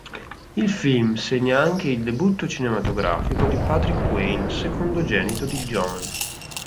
Il film segna anche il debutto cinematografico di Patrick Wayne, secondogenito di John.